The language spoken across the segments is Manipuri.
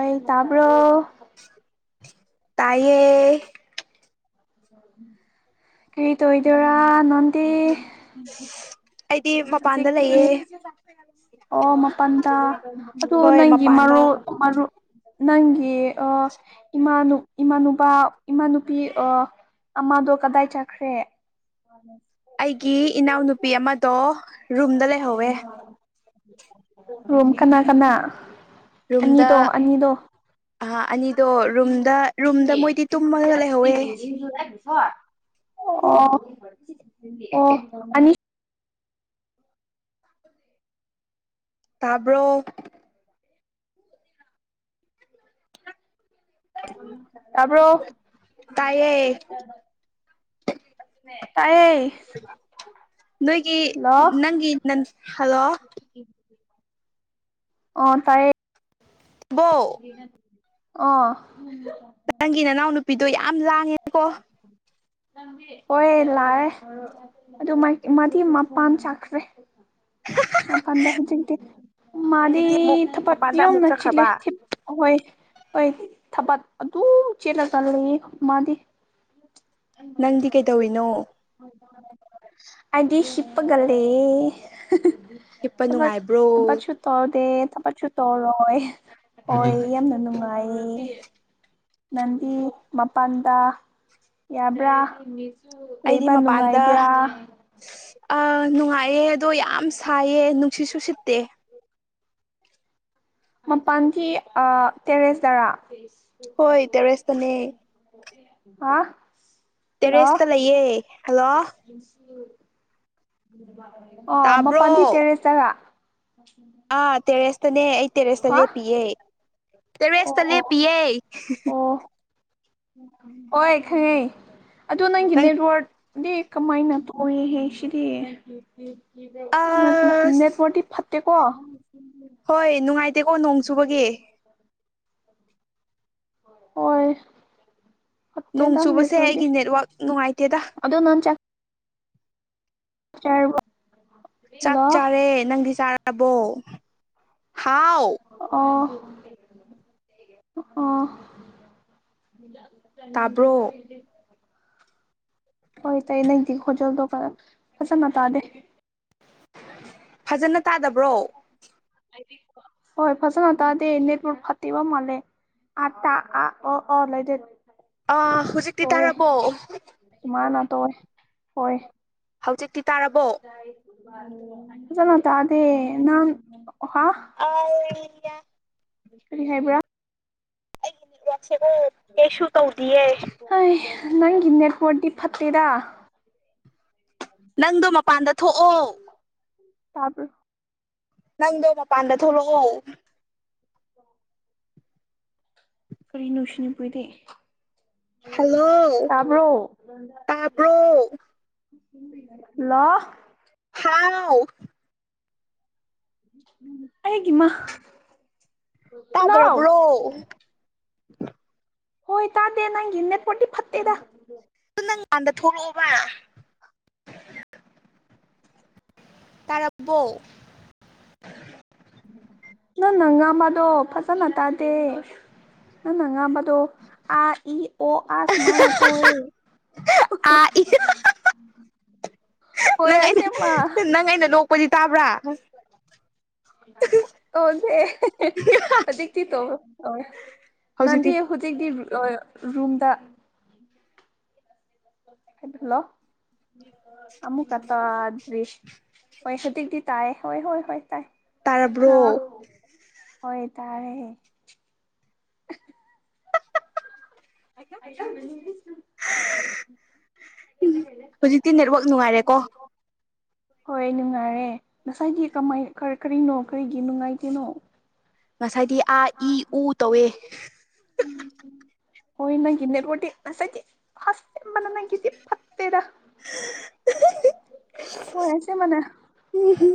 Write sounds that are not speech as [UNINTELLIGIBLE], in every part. ꯑꯩ ꯇꯥꯕ꯭ꯔꯣ ꯇꯥꯏꯌꯦ [INAUDIBLE] ꯀꯔꯤ ꯇꯣꯏꯗꯣꯏꯔꯥ ꯅꯣꯟꯗꯤ [UNINTELLIGIBLE] ꯑꯩꯗꯤ ꯃꯄꯥꯟꯗ ꯂꯩꯌꯦ ꯑꯣ ꯃꯥꯄꯜꯗ ꯑꯗꯨ ꯍꯣꯏ ꯅꯪꯒꯤ ꯃꯄꯥꯟꯗ ꯃꯔꯨꯜ ꯃꯔꯣꯟ ꯅꯪꯒꯤ ꯑꯥ ꯏꯃꯥ ꯏꯃꯥꯅꯨꯄꯥ ꯏꯃꯥꯅꯨꯄꯤ ꯑꯥ ꯑꯃꯗꯣ ꯀꯗꯥꯏ ꯆꯠꯈ꯭ꯔꯦ ꯑꯥ ꯑꯩꯒꯤ ꯏꯅꯥꯎꯅꯨꯄꯤ ꯑꯃꯗꯣ ꯔꯨꯝꯗ ꯂꯩꯍꯧꯋꯦ ꯔꯨꯝ ꯀꯅꯥ ꯀꯅꯥ ꯑꯅꯤꯗꯣ ꯑꯅꯤꯗꯣ ꯑꯥ ꯑꯅꯤꯗꯣ ꯔꯨꯝꯗ ꯔꯨꯝꯗ ꯃꯣꯏꯗꯤ ꯇꯨꯝꯃꯒ ꯂꯩꯍꯧꯋꯦ [UNINTELLIGIBLE] ꯑꯣ ꯑꯅꯤ ꯇꯥꯕ꯭ꯔꯣ ꯇꯕ꯭ꯔꯣ ꯇꯥꯏꯌꯦ ꯇꯥꯏꯌꯦ ꯅꯣꯏꯒꯤ ꯍꯜꯂꯣ ꯅꯪꯒꯤ ꯅ ꯍꯜꯂꯣ ꯑꯣ ꯇꯥꯏꯌꯦ ꯕꯣ ꯑꯣ ꯅꯪꯒꯤ ꯅꯅꯥꯎ ꯅꯨꯄꯤꯗꯨ ꯌꯥꯝ ꯂꯥꯡꯉꯦꯀꯣ ꯍꯣꯏ ꯂꯥꯛꯑꯦ ꯑꯗꯨ ꯃꯗꯤ ꯃꯄꯥꯟ ꯆꯠꯈ꯭ꯔꯦ ꯃꯥꯄꯥꯟꯗ ꯍꯧꯖꯤꯛꯇꯛꯇꯤ ꯃꯥꯗꯤ ꯍꯧꯖꯤꯛꯇꯤ ꯑꯃꯨꯛ ꯊꯕꯛ ꯃꯄꯥꯟꯗ ꯑꯃꯨꯛ ꯌꯣꯅ ꯆꯤꯜꯂꯦ ꯆꯠꯈ꯭ꯔꯕ ꯑꯍꯣꯏ ꯍꯣꯏ ꯊꯕꯛ ꯑꯗꯨꯝ ꯆꯦꯜꯂꯒ ꯂꯩꯌꯦ ꯃꯥꯗꯤ ꯅꯪꯗꯤ ꯀꯩꯗꯧꯔꯤꯅꯣ [UNINTELLIGIBLE] ꯑꯩꯗꯤ ꯍꯤꯞꯄꯒ ꯂꯩꯌꯦ ꯍꯤꯞꯄ ꯇꯕꯛ ꯅꯨꯡꯉꯥꯏꯕ꯭ꯔꯣ ꯇꯕꯛꯁꯨ ꯇꯧꯗꯦ ꯇꯕꯛꯁꯨ ꯇꯧꯔꯣꯏ ꯍꯣꯏ ꯌꯥꯝꯅ ꯅꯨꯡꯉꯥꯏꯌꯦ ꯅꯪꯗꯤ ꯃꯄꯥꯟꯗ ꯌꯥꯕ꯭ꯔꯥ ꯑꯩꯗꯤ ꯂꯩꯕ ꯅꯨꯡꯉꯥꯏꯕ꯭ꯔꯥ ꯑꯥ ꯅꯨꯡꯉꯥꯏꯌꯦ ꯑꯗꯣ ꯌꯥꯝ ꯁꯥꯏꯌꯦ ꯅꯨꯡꯁꯤꯠꯁꯨꯁꯤꯠꯇꯦ ꯃꯄꯥꯟꯒꯤ ꯑꯥ ꯇꯦꯔꯦꯁ ꯗꯔꯥ ꯍꯣꯏ ꯇꯦꯔꯦꯁ ꯇꯅꯦ ꯍꯥ ꯍꯜꯂꯣ ꯇꯦꯔꯦꯁꯇ ꯂꯩꯌꯦ ꯍꯜꯂꯣ ꯑꯣ ꯃꯄꯥꯟꯒꯤ ꯇꯥꯕ꯭ꯔꯣ ꯇꯦꯔꯦꯁꯇꯔ ꯑꯥ ꯇꯦꯔꯦꯁꯇꯅꯦ ꯑꯩ ꯇꯦꯔꯦꯁꯇ ꯂꯦꯞꯄꯤꯌꯦ ꯑꯣ ꯇꯦꯔꯦꯁꯇ ꯑꯣ ꯂꯦꯞꯄꯤꯌꯦ ꯑꯣ ꯍꯣꯏ ꯈꯪꯉꯦ ꯑꯗꯣ ꯅꯪꯒꯤ ꯅꯪ ꯅꯦꯠꯋꯔꯥꯛ ꯗꯤ ꯀꯃꯥꯏꯅ ꯇꯧꯏꯍꯦ ꯁꯤꯗꯤ ꯅꯠ ꯑꯁ ꯅꯦꯠꯋꯥꯛꯇꯤ ꯐꯠꯇꯦꯀꯣ ꯍꯣꯏ ꯅꯨꯡꯉꯥꯏꯇꯦꯀꯣ ꯅꯣꯡ ꯆꯨꯕꯒꯤ ꯍꯣꯏ ꯅꯣꯡ ꯐꯠꯇꯦꯗ ꯆꯨꯕꯁꯦ ꯅꯦꯠꯋꯔꯛꯇꯤ ꯑꯩꯒꯤ ꯅꯦꯠꯋꯥꯛ ꯅꯨꯡꯉꯥꯏꯇꯦꯗ [UNINTELLIGIBLE] ꯆꯔꯕꯣ ꯆꯥꯛ ꯆꯥꯔꯦ ꯅꯪꯗꯤ ꯆꯥꯔꯕꯣ ꯍꯥꯎ ꯑꯣ ꯑꯣ ꯇꯥꯕ꯭ꯔꯣ [UNINTELLIGIBLE] ꯍꯣꯏ ꯇꯥꯏꯌꯦ ꯅꯪꯗꯤ ꯈꯣꯟꯖꯦꯜꯗꯣ ꯐꯖꯅ ꯇꯥꯗꯦ ꯐꯖꯅ ꯇꯥꯗꯕ꯭ꯔꯣ ꯍꯣꯏ ꯐꯖꯅ ꯇꯗꯦ ꯅꯦꯠꯋꯥꯛꯄꯨ ꯐꯇꯤꯕ ꯃꯂꯦ ꯑ ꯇ ꯑꯥ ꯑꯣ [UNINTELLIGIBLE] ꯑꯥ ꯍꯧꯖꯤꯛꯇꯤ ꯇꯥꯔꯕꯣ ꯏꯃꯥꯅ ꯇꯣꯋꯦ ꯍꯣꯏ ꯍꯧꯖꯤꯛꯇꯤ ꯇꯥꯔꯕꯣ ꯐꯖꯅ ꯇꯥꯗꯦ ꯅꯪ ꯍꯥꯎ [UNINTELLIGIBLE] ꯍꯩꯕ꯭ꯔꯥ ꯑꯩꯒꯤ ꯀꯩꯁꯨ ꯇꯧꯗꯤꯌꯦ ꯑꯩ ꯅꯪꯒꯤ ꯅꯦꯠꯋꯥꯔꯠꯇꯤ ꯐꯠꯇꯦꯗꯥ ꯅꯪꯗꯣ ꯃꯄꯥꯟꯗ ꯊꯣꯛꯑꯣ ꯇꯥꯕꯔꯣ ꯅꯪꯗꯣ ꯃꯄꯥꯟꯗ ꯊꯣꯛꯂꯛꯑꯣ ꯀꯔꯤ ꯅꯨꯡꯁꯤꯅꯤ ꯄꯨꯏꯗꯤ ꯍꯜꯂꯣ ꯇꯥꯕ꯭ꯔꯣ ꯇꯥꯕ꯭ꯔꯣ ꯍꯜꯂꯣ ꯍꯥꯎ ꯑꯩꯒꯤꯃ ꯍꯜꯂꯣ ꯇꯥꯗ꯭ꯔꯕ꯭ꯔꯣ ꯍꯣꯏ ꯇꯥꯗꯦ ꯅꯪꯒꯤ ꯅꯦꯠꯋꯥꯔꯠꯇꯤ ꯐꯠꯇꯦꯗ ꯑꯗꯨ ꯅꯪꯀꯥꯟꯗ ꯊꯣꯛꯂꯛꯑꯣꯕ ꯇꯥꯔꯕꯣ ꯅꯪ ꯅ ꯉꯝꯕꯗꯣ ꯐꯖꯅ ꯇꯥꯗꯦ ꯅꯪꯅ ꯉꯥꯝꯕꯗꯣ ꯑꯥ ꯏ ꯑꯣ ꯑꯥ ꯁꯨꯃꯥꯏꯅ ꯇꯧꯋꯦ ꯑꯥ ꯏ [UNINTELLIGIBLE] ꯅꯪ ꯑꯩꯅ ꯑꯁꯦꯡꯕ ꯅꯪ ꯑꯩꯅ ꯅꯣꯛꯄꯗꯤ ꯇꯥꯕ꯭ꯔꯥ [INAUDIBLE] ꯍꯧꯖꯤꯛ [UNINTELLIGIBLE] ꯍꯧꯖꯤꯛꯇꯤ ꯍꯧꯖꯤꯛꯇꯤ ꯂꯣꯏ ꯔꯨꯝꯗ ꯍꯦꯂꯣ ꯑꯃꯨꯛꯀ ꯇꯥꯗ꯭ꯔꯤ ꯍꯣꯏ ꯍꯧꯖꯤꯛꯇꯤ ꯇꯥꯏ ꯍꯣꯏ ꯍꯣꯏ ꯍꯣꯏ ꯇꯥꯏ ꯇꯥꯔꯕ꯭ꯔꯣ ꯑꯥ ꯍꯣꯏ ꯇꯥꯔꯦ [INAUDIBLE] ꯍꯧꯖꯤꯛꯇꯤ ꯅꯦꯠꯋꯥꯛ ꯅꯨꯡꯉꯥꯏꯔꯦꯀꯣ [UNINTELLIGIBLE] ꯍꯣꯏ ꯅꯨꯡꯉꯥꯏꯔꯦ ꯉꯁꯥꯏꯒꯤ ꯀꯃꯥꯏ ꯀꯔꯤ ꯀꯔꯤꯅꯣ ꯀꯔꯤꯒꯤ ꯅꯨꯡꯉꯥꯏꯇꯤꯅꯣ ꯉꯁꯥꯏꯗꯤ ꯑꯥ ꯏ ꯎ ꯇꯧꯋꯦ ꯍꯣꯏ ꯅꯦꯒꯤ ꯅꯦꯠꯆꯥꯠꯇꯤ ꯐꯖꯗꯦ ꯑꯁ ꯃꯥꯅ ꯅꯪꯒꯤꯗꯤ ꯐꯠ ꯇꯦꯗ ꯍꯣꯏ ꯑꯁꯦꯝꯕꯅꯦ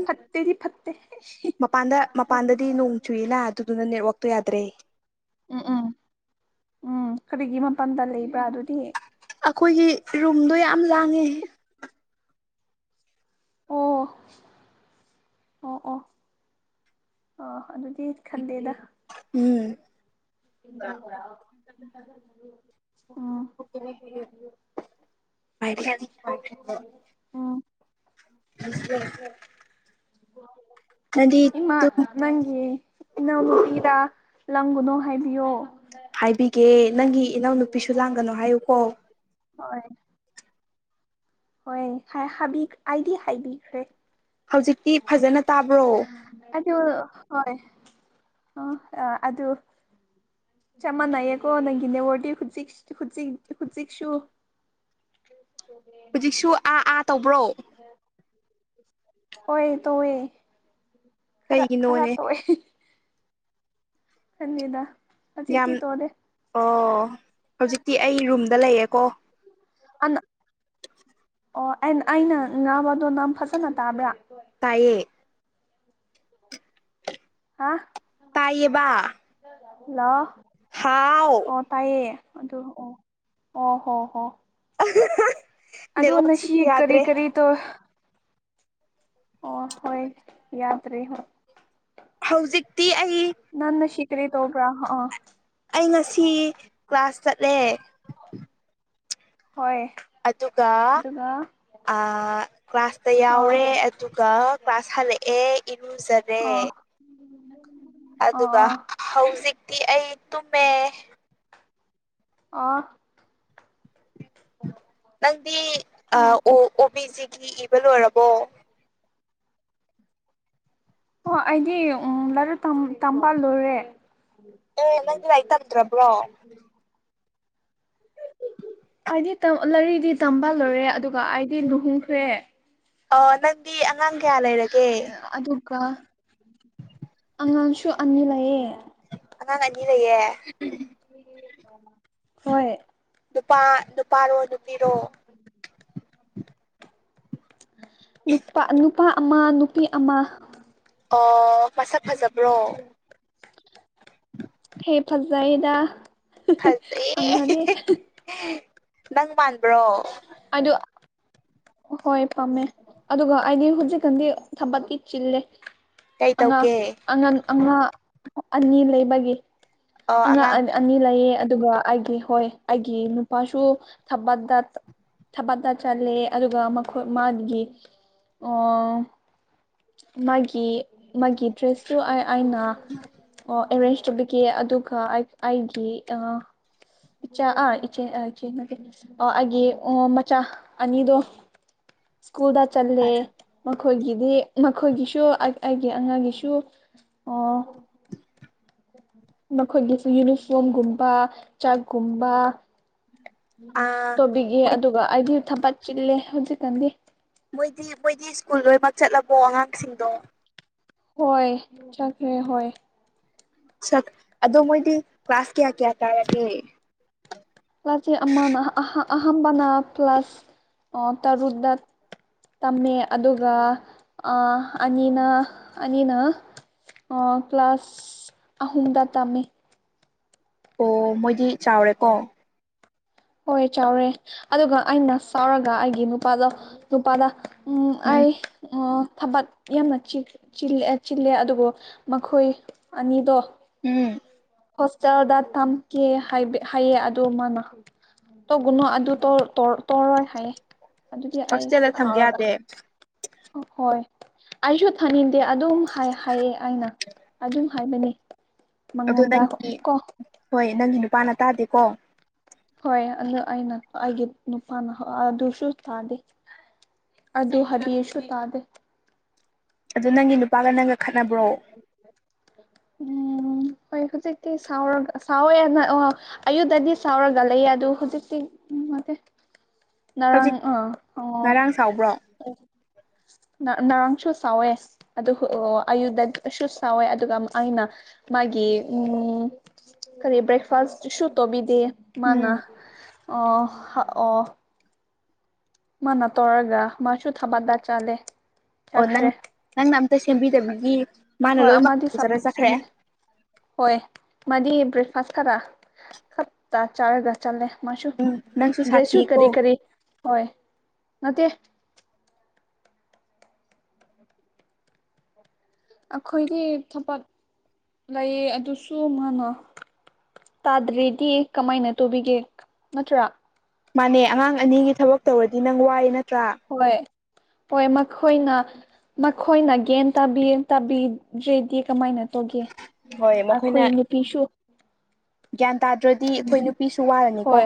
ꯐꯠꯇꯦꯗꯤ ꯐꯠꯇꯦ ꯍꯤ ꯃꯄꯥꯟꯗ ꯃꯄꯥꯟꯗꯗꯤ ꯅꯣꯡ ꯆꯨꯏꯑꯦꯅ ꯑꯗꯨꯗꯨꯅ ꯅꯦꯠꯋꯥꯛꯇꯣꯥ ꯌꯥꯗ꯭ꯔꯦ ꯎꯝ ꯎꯝ ꯎꯝ ꯀꯔꯤꯒꯤ ꯃꯄꯥꯟꯗ ꯂꯩꯕ꯭ꯔꯥ ꯑꯗꯨꯗꯤ ꯑꯈꯣꯏꯒꯤ ꯔꯨꯝꯗꯣ ꯌꯥꯝ ꯂꯥꯡꯉꯦ ꯑꯣ ꯑꯣ ꯑꯣ ꯑꯥ ꯑꯗꯨꯗꯤ ꯈꯟꯗꯦꯗ ꯎꯝ [UNINTELLIGIBLE] [UNINTELLIGIBLE] ꯅꯪꯗꯤ [INAUDIBLE] ꯏꯃꯥ ꯑꯗꯨꯝ ꯅꯪꯒꯤ ꯏꯅꯥꯎꯅꯨꯄꯤꯔ ꯂꯥꯡꯒꯅꯣ ꯍꯥꯏꯕꯤꯌꯣ ꯍꯥꯏꯕꯤꯒꯦ ꯅꯪꯒꯤ ꯏꯅꯥꯎ ꯅꯨꯨꯄꯤꯁꯨ ꯂꯥꯡꯒꯅꯨ ꯍꯥꯏꯌꯨꯀꯣ ꯍꯣꯏ ꯍꯣꯏ ꯍꯥꯏ ꯍꯥꯏꯕꯤ ꯑꯩꯗꯤ ꯍꯥꯏꯕꯤꯈ꯭ꯔꯦ ꯍꯧꯖꯤꯛꯇꯤ ꯐꯖꯅ ꯇꯥꯕ꯭ꯔꯣ ꯑꯗꯨ ꯍꯣꯏ ꯑ ꯑ ꯑꯗꯨ ꯆꯝ ꯝꯅꯩꯌꯦꯀꯣ ꯅꯪꯒꯤ ꯅꯦꯠꯋꯥꯔꯗꯤ ꯍꯨꯖꯤꯛ ꯍꯨꯖꯤꯛ ꯍꯨꯖꯤꯛꯁꯨꯨ ꯍꯨꯖꯤꯛꯁꯨ ꯑꯥ ꯑꯥ ꯇꯧꯕ꯭ꯔꯣ ꯍꯣꯏ ꯇꯧꯋꯦ ꯈꯔ ꯈꯔ ꯀꯩꯒꯤꯅꯣꯅꯦ ꯇꯣꯑꯦ ꯈꯟꯗꯦꯗ ꯌꯥꯝ ꯍꯧꯖꯤꯛꯇꯤ ꯇꯣꯗꯦ ꯑꯣ ꯍꯧꯖꯤꯛꯇꯤ ꯑꯩ ꯔꯨꯝꯗ ꯂꯩꯌꯦꯀꯣ ꯑꯅꯥ ꯑꯣ ꯑꯩꯅ ꯑꯩꯅ ꯉꯥꯡꯕꯗꯣ ꯅꯪ ꯐꯖꯅ ꯇꯥꯕ꯭ꯔꯥ ꯇꯥꯏꯌꯦ ꯍꯥ ꯇꯥꯏꯌꯦꯕ ꯍꯜꯂꯣ ꯍꯥꯎ ꯑꯣ ꯇꯥꯏꯌꯦ ꯑꯗꯨ ꯑꯣ ꯑꯣ ꯍꯣ ꯍꯣ [UNINTELLIGIBLE] ꯑꯗꯣ ꯅꯦꯠꯋꯥꯛꯁꯦ ꯉꯁꯤ ꯀꯔꯤ ꯌꯥꯗ꯭ꯔꯦ ꯀꯔꯤ ꯇꯣ ꯑꯣ ꯍꯣꯏ ꯌꯥꯗ꯭ꯔꯦ ꯍꯣꯏ ꯍꯧꯖꯤꯛꯇꯤ ꯑꯩ ꯅꯟ ꯅꯁꯤ ꯀꯔꯤ ꯇꯧꯕ꯭ꯔꯥ ꯑꯩ ꯉꯁꯤ ꯀ꯭ꯂꯥꯁ ꯆꯠꯂꯦ ꯍꯣꯏ ꯑꯗꯨꯒ ꯑꯗꯨꯒ ꯑꯥ ꯀ꯭ꯂꯥꯁꯇ ꯑꯥ ꯌꯥꯎꯔꯦ ꯑꯗꯨꯒ ꯀ꯭ꯂꯥꯁ ꯍꯜꯂꯛꯑꯦ ꯏꯔꯨꯖ ꯑꯣ ꯑꯗꯨꯒ ꯍꯧꯖꯤꯛꯇꯤ ꯑꯩ ꯇꯨꯝꯃꯦ ꯑꯣ ꯅꯪꯗꯤ ꯑꯥ ꯑꯣ ꯕꯤ ꯖꯤꯒꯤ ꯏꯕ ꯂꯣꯏꯔꯕꯣ ꯑꯣ ꯑꯩꯗꯤ ꯑꯣ ꯂꯥꯏꯔꯤꯛ ꯇꯝ ꯇꯝꯕ ꯂꯣꯏꯔꯦ ꯑꯦ ꯅꯪꯗꯤ ꯂꯥꯏꯔꯤꯛ ꯇꯝꯗ꯭ꯔꯕ꯭ꯔꯣ [UNINTELLIGIBLE] [INAUDIBLE] ꯑꯩꯗꯤ ꯇꯝ ꯂꯥꯏꯔꯤꯛꯇꯤ ꯇꯝꯕ ꯂꯣꯏꯔꯦ ꯑꯗꯨꯒ ꯑꯩꯗꯤ ꯂꯨꯍꯣꯡꯈ꯭ꯔꯦ ꯑꯣ ꯅꯪꯗꯤ ꯑꯉꯥꯡ ꯀꯌꯥ ꯂꯩꯔꯒꯦ ꯑꯗꯨꯒ ꯑꯉꯥꯡꯁꯨ ꯑꯅꯤ ꯂꯩꯌꯦ ꯑꯉꯥꯡ ꯑꯅꯤ ꯂꯩꯌꯦ ꯍꯣꯏ ꯅꯨꯄꯥ ꯅꯨꯄꯥꯔꯣ ꯅꯨꯄꯤꯔꯣ [INAUDIBLE] ꯅꯨꯄꯥ ꯅꯨꯄꯥ ꯑꯃ ꯅꯨꯄꯤ ꯑꯃ ꯑꯣ ꯃꯁꯛ ꯐꯖꯕ꯭ꯔꯣ ꯍꯦ ꯐꯖꯩꯗ ꯐꯖꯩ [UNINTELLIGIBLE] ꯅꯪ ꯃꯥꯟꯕ꯭ꯔꯣ ꯑꯗꯨ ꯍꯣꯏ ꯄꯝꯃꯦ ꯑꯗꯨꯒ ꯑꯩꯗꯤ ꯍꯧꯖꯤꯛꯀꯥꯟꯗꯤ ꯊꯕꯛꯀꯤ ꯆꯤꯜꯂꯦ ꯀꯩ ꯑꯉꯥꯡ ꯇꯧꯒꯦ ꯑꯉꯥꯡ ꯑꯃ ꯑꯅꯤ ꯂꯩꯕꯒꯤ ꯑꯉꯥꯡ ꯑꯅꯤ ꯂꯩꯌꯦ ꯑꯗꯨꯒ ꯑꯩꯒꯤ ꯍꯣꯏ ꯑꯩꯒꯤ ꯅꯨꯄꯥꯁꯨ ꯊꯕꯛꯇ ꯊꯕꯛꯇ ꯆꯠꯂꯦ ꯑꯗꯨꯒ ꯃꯈꯣꯏ ꯃꯥꯒꯤ ꯑꯣ ꯃꯥꯒꯤ ꯃꯥꯒꯤ ꯗ꯭ꯔꯦꯁꯁꯨ ꯑꯩꯅ ꯑꯦꯔꯦꯟꯖ ꯇꯧꯕꯤ ꯀꯦ ꯑꯗꯨꯒ ꯑꯩꯒꯤ ꯑ ꯏꯆꯥ ꯑꯥ ꯏꯆꯦ ꯑ ꯏꯆꯦ ꯅꯠꯇꯦ ꯑ ꯑꯩꯒꯤ ꯃꯆꯥ ꯑꯅꯤꯗꯣ [INAUDIBLE] ꯁ꯭ꯀꯨꯜꯗ ꯆꯠꯂꯦ ꯃꯈꯣꯏꯒꯤꯗꯤ ꯃꯈꯣꯏꯒꯤꯁꯨ ꯑꯩ ꯑꯩꯒꯤ ꯑꯉꯥꯡꯒꯤꯁꯨ ꯑꯣ [INAUDIBLE] ꯃꯈꯣꯏꯒꯤꯁꯨ ꯌꯨꯅꯤꯐ꯭ꯔ‌ꯣꯝꯒꯨꯝꯕ ꯆꯥꯛꯀꯨꯝꯕ ꯑꯥ ꯇꯣꯕꯤꯒꯦ ꯃꯣꯏ ꯑꯗꯨꯒ ꯑꯩꯗꯤ ꯊꯕꯛ ꯆꯤꯜꯂꯦ ꯍꯧꯖꯤꯛꯀꯥꯟꯗꯤ ꯃꯣꯏꯗꯤ ꯃꯣꯏꯗꯤ ꯁ꯭ꯀꯨꯜ ꯂꯣꯏꯅꯃꯛ ꯆꯠꯂꯕꯣ ꯑꯉꯥꯡꯁꯤꯡꯗꯣ ꯍꯣꯏ ꯆꯠꯈ꯭ꯔꯦ ꯍꯣꯏ ꯁꯛ ꯑꯗꯣ ꯃꯣꯏꯗꯤ ꯀ꯭ꯂꯥꯁ ꯀꯌꯥ ꯀꯌꯥ ꯀꯥꯔꯒꯦ ꯀ꯭ꯂꯥꯁꯤ ꯑꯃꯅ ꯑꯍ ꯑꯍꯟꯕꯅ ꯄ꯭ꯂꯥꯁ ꯑꯣ ꯇꯔꯨꯛ ꯗꯠ ꯇꯝꯃꯦ ꯑꯗꯨꯒ ꯑ ꯑꯅꯤꯅ ꯑꯅꯤꯅ ꯑꯣ ꯀ꯭ꯂꯥꯁ ꯑꯍꯨꯝꯗ ꯇꯝꯃꯤ ꯑꯣ ꯃꯣꯏꯗꯤ ꯆꯥꯎꯔꯦꯀꯣ ꯍꯣꯏ ꯆꯥꯎꯔꯦ ꯑꯗꯨꯒ ꯑꯩꯅ ꯁꯥꯎꯔꯒ ꯑꯩꯒꯤ ꯅꯨꯄꯥꯗꯣ ꯅꯨꯄꯥꯗ ꯎꯝ ꯑꯩ ꯎꯝ ꯊꯕꯛ ꯌꯥꯝꯅ ꯆꯤ ꯆꯤꯜꯂ‌ꯦ ꯆꯤꯜꯂꯦ ꯑꯗꯨꯕꯨ ꯃꯈꯣꯏ ꯑꯅꯤꯗꯣ ꯎꯝ ꯍꯣꯁꯇꯦꯜꯗ ꯊꯝꯀꯦ ꯍꯥꯏꯕ ꯍꯥꯏꯌꯦ ꯑꯗꯨ ꯃꯥꯅ ꯇꯧꯒꯨꯅꯣ ꯑꯗꯨ ꯇꯧ ꯇꯧꯔꯣꯏ ꯍꯥꯏꯌꯦ ꯑꯗꯨꯗꯤ ꯑꯩ ꯍꯣꯁꯇꯦꯜꯗ ꯊꯝꯒꯦ ꯁꯥꯎꯔꯒ ꯌꯥꯗꯦ ꯍꯣꯏ ꯑꯩꯁꯨ ꯊꯥꯅꯤꯡꯗꯦ ꯑꯗꯨꯝ ꯍꯥꯏ ꯍꯥꯏꯌ‌ꯦ ꯑꯩꯅ ꯑꯗꯨꯝ ꯍꯥꯏꯕꯅꯦ ꯑꯗꯨ ꯅꯪꯒꯤ ꯍꯣꯏ ꯅꯪꯒꯤ ꯅꯨꯄꯥꯅ ꯇꯥꯗꯦꯀꯣ ꯍꯣꯏ ꯑꯗꯨ ꯑꯩꯅ ꯑꯩꯒꯤ ꯅꯨꯄꯥꯅ ꯑꯗꯨꯁꯨ ꯇꯥꯗꯦ ꯑꯗꯨ ꯍꯥꯏꯕꯤꯔꯁꯨ ꯇꯥꯗꯦ ꯑꯗꯨ ꯅꯪꯒꯤ ꯅꯨꯄꯥꯒ ꯅꯪꯒ ꯈꯠꯅꯕ꯭ꯔꯣ? ꯎꯝ ꯍꯣꯏ ꯍꯧꯖꯤꯛꯇꯤ ꯁꯥꯎꯔꯒ ꯁꯥꯎꯋꯦꯅ ꯑ‌ꯣ ꯑꯌꯨꯇꯗꯤ ꯁꯥꯎꯔꯒ ꯂꯩꯌ‌ꯦ ꯑꯗꯨ ꯍꯨꯖꯤꯛꯇꯤ ꯍꯧꯖꯤꯛ ꯉꯔꯥꯡ ꯁꯥꯎꯕ꯭ꯔꯣ? [INAUDIBLE] ꯉꯔꯥꯡꯁꯨ ꯁꯥꯎꯋꯦ ꯑꯗꯨ ꯑꯌꯨꯗꯁꯨ ꯁꯥꯎꯋꯦ ꯑꯗꯨꯒ ꯑꯩꯅ ꯃꯥꯒꯤ ꯎꯝ ꯀꯔꯤ ꯕ꯭ꯔꯦꯛꯐꯥꯁ ꯏꯁꯨ ꯇꯧꯕꯤꯗꯦ ꯃꯥꯅ ꯎꯝ ꯑꯣ ꯍ ꯑꯣ ꯃꯥꯅ ꯇꯧꯔꯒ ꯃꯥꯁꯨ ꯊꯕꯛꯗ ꯆꯠꯂꯦ ꯑꯣ ꯅꯪ ꯅꯪꯅ ꯑꯝꯇ ꯁꯦꯝꯕꯤꯗꯕꯒꯤ ꯃꯥꯅ ꯍꯣꯏ ꯂꯣꯏꯃꯛ ꯑꯃꯗꯤ ꯇꯧꯖꯔꯒ ꯆꯠꯈ꯭ꯔꯦ ꯍꯣꯏ ꯃꯥꯗꯤ ꯕ꯭ꯔꯦꯛꯐꯥꯁ ꯈꯔ ꯍꯠꯇꯥ ꯆꯥꯔꯒ ꯆꯜꯂꯦ ꯃꯥꯁꯨ ꯎꯝ ꯅꯪꯁꯨ ꯗ꯭ꯔ‌ꯦꯁꯨ ꯁꯥꯊꯤꯀꯣ ꯀꯔꯤ ꯀꯔꯤ ꯍꯣꯏ ꯅꯠꯇꯦ ꯑꯈꯣꯏꯒꯤ ꯊꯕꯛ ꯂꯩꯌꯦ ꯑꯗꯨꯁꯨ ꯃꯥꯥꯅ ꯇꯥꯗ꯭ꯔꯗꯤ ꯀꯃꯥꯏꯅ ꯇꯧꯕꯤꯒꯦ ꯅꯠꯇ꯭ꯔꯥ ꯃꯥꯅꯦ ꯑꯉꯥꯡ ꯑꯅꯤꯒꯤ ꯊꯕꯛ ꯇꯧꯔꯗꯤ ꯅꯪ ꯋꯥꯏ ꯅꯠꯇ꯭ꯔꯥ ꯍꯣꯏ ꯍꯣꯏ ꯃꯈꯣꯏꯅ ꯃꯈꯣꯏꯅ ꯒ꯭ꯌꯥꯟ ꯇꯥꯕꯤ ꯇꯥꯕꯤꯗ꯭ꯔꯦꯗꯤ ꯀꯃꯥꯏꯅ ꯇꯧꯒ‌ꯦ ꯍꯣꯏ ꯃꯈꯣꯏꯅ ꯑꯈꯣꯏ ꯅꯨꯄꯤꯁꯨ ꯒ꯭ꯌꯥꯟ ꯇꯥꯗ꯭ꯔꯗꯤ ꯑꯈꯣꯏ ꯅꯨꯄꯤꯁꯨ ꯋꯥꯔꯅꯤꯀꯣ ꯍꯣꯏ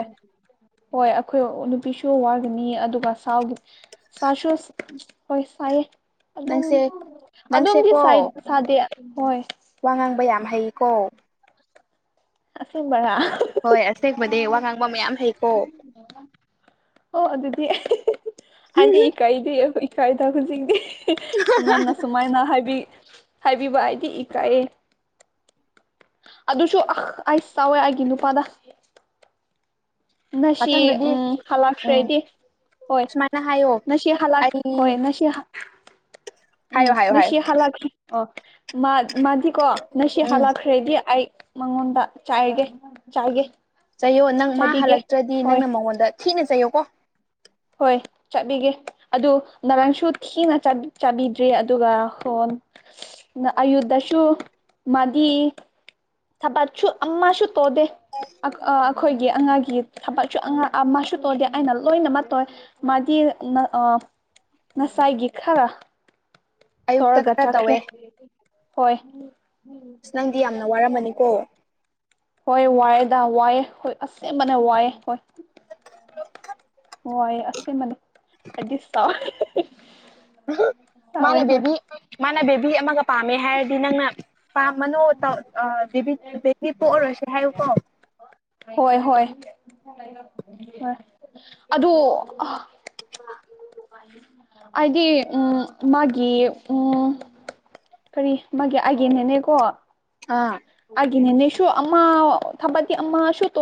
ꯍꯣꯏ ꯑꯈꯣꯏ ꯅꯨꯄꯤꯁꯨ ꯋꯥꯒꯅꯤ ꯑꯗꯨꯒ ꯁꯥꯎ ꯁꯥꯁꯨ ꯍꯣꯏ ꯁꯥꯏꯌꯦ ꯑꯗꯨꯝ ꯅꯪꯁꯦ ꯑꯗꯨꯝꯗꯤ ꯁꯥꯏ ꯅꯪꯁꯦꯀꯣ ꯁꯥꯗꯦ ꯍꯣꯏ ꯋꯥ ꯉꯥꯡꯕ ꯌꯥꯝ ꯍꯩꯀꯣ ꯑꯁ‌ꯦꯡꯕꯔꯥ ꯍꯣꯏ ꯑꯁꯦꯡꯕꯅ‌ꯦ ꯋꯥ ꯉꯥꯡꯕ ꯃꯌꯥꯝ ꯍꯩꯀꯣ [UNINTELLIGIBLE] ꯑꯣ ꯑꯗꯨꯗꯤ ꯑꯩꯗꯤ ꯏꯀꯥꯏꯗ‌ꯦ ꯏꯀꯥꯏꯗ ꯍꯨꯖꯤꯡꯗꯤ ꯅꯪꯅ ꯁꯨꯃꯥꯏꯅ ꯍꯥꯏꯕꯤ ꯍꯥꯏꯕꯤꯕ ꯍꯥꯏꯗꯤ ꯏꯀꯥꯏꯌꯦ꯫ ꯑꯗꯨꯁꯨ ꯑ ꯑꯩ ꯁꯥꯎꯋꯦ ꯑꯩꯒꯤ ꯅꯨꯄꯥꯗ ꯉꯁꯤ ꯃꯊꯪꯗꯗꯤ ꯎꯝ ꯎꯝ ꯍꯜꯂꯛꯈ꯭ꯔꯦꯗꯤ ꯍꯣꯏ ꯁꯨꯃꯥꯏꯅ ꯍꯥꯏꯌꯣ ꯅꯁꯤ ꯍꯜꯛ ꯑꯩ ꯍꯣꯏ ꯅꯁꯤ ꯍꯜꯛ ꯎꯝ ꯍꯥꯏꯌꯣ ꯍꯥꯏꯌꯣ ꯍꯥꯏꯌꯣ ꯉꯁꯤ ꯍꯜꯂꯛ ꯑꯣ ꯃꯥꯗꯤꯀꯣ ꯉꯁꯤ ꯎꯝ ꯍꯜꯂꯛꯈ꯭ꯔꯗꯤ ꯑꯩ ꯃꯉꯣꯟꯗ ꯆꯥꯏꯒꯦ ꯆꯥꯏꯒꯦ꯫ ꯆꯩꯌꯣ ꯅꯪ ꯃꯥ ꯆꯥꯕꯤꯒꯦ ꯍꯜꯂꯛꯇ꯭ꯔꯗꯤ ꯍꯣꯏ ꯅꯪꯅ ꯃꯉꯣꯟꯗ ꯊꯤꯅ ꯆꯩꯌꯣ ꯀꯣ꯫ ꯍꯣꯏ꯫ ꯆꯠꯕꯤꯒꯦ ꯑꯗꯨ ꯅꯔꯪꯁꯨ ꯊꯤꯅ ꯆꯠ ꯆꯥꯕꯤꯗ꯭ꯔꯤ ꯑꯗꯨꯒ ꯐ‌ꯣꯟ [UNINTELLIGIBLE] ꯅ ꯑꯌꯨꯗꯁꯨ ꯃꯥꯗꯤ ꯊꯕꯠꯁꯨ ꯑꯝꯃꯁꯨꯨ ꯇꯣꯗꯦ꯫ ꯑ ꯑꯈꯣꯏꯒꯤ ꯑꯉꯥꯡꯒꯤ ꯊꯕꯛꯁꯨ ꯑꯉꯥ ꯑꯃꯁꯨ ꯇꯧꯗꯦ ꯑꯩꯅ ꯂꯣꯏꯅꯃꯛ ꯇꫭꯑꯦ꯫ ꯃꯥꯗꯤ ꯅ ꯑ ꯅꯁꯥꯏꯒꯤ ꯈꯔ ꯑꯌꯨꯛꯇ ꯇꫭꯔꯒ ꯈꯔ ꯆꯠꯈ꯭ꯔꯦ꯫ ꯇꯧꯋꯦ ꯍꯣꯏ ꯑꯁ ꯅꯪꯗꯤ ꯌꯥꯝꯅ ꯋꯥꯔꯝꯃꯅꯤꯀꯣ [INAUDIBLE] ꯍꯣꯏ ꯋꯥꯌꯦꯗ ꯋꯥꯑꯦ ꯍꯣꯏ ꯑꯁꯦꯡꯕꯅ ꯋꯥꯑꯦ ꯍꯣꯏ꯫ ꯍꫭꯏ ꯑꯁꯦꯡꯃꯅꯤ ꯑꯗꯤ ꯁꯥꯎꯋ‌ꯦ [UNINTELLIGIBLE] [UNINTELLIGIBLE] ꯃꯥꯅ ꯕꯦꯕꯤ ꯃꯥꯅ ꯕꯦꯕꯤ ꯑꯃꯒ ꯄꯥꯝꯃꯦ ꯍꯥꯏꯔꯗꯤ ꯅꯪꯅ ꯄꯥꯝꯕꯅꯣ ꯇꯧ ꯑ ꯕꯦꯕꯤ ꯄꯣꯛꯑꯔꫭꯏꯁꯦ ꯍꯥꯏꯌꯨꯀꯣ꯫ ꯍꯣꯏ ꯍꯣꯏ [INAUDIBLE] ꯍꫭꯏ ꯑꯗꯨ ꯑ [INAUDIBLE] ꯑꯥꯏꯗꯤ ꯎꯝ ꯃꯥꯒꯤ ꯎꯝ ꯀꯔꯤ ꯃꯥꯒꯤ ꯑꯥꯏꯒꯤ ꯅ‌ꯦꯅꯦꯀꯣ ꯑꯥ꯫ ꯑꯥꯥꯏꯒꯤ ꯅꯦꯅꯦꯁꯨ ꯑꯃ ꯊꯕꯛꯗꯤ ꯑꯃꯁꯨ ꯇꯧ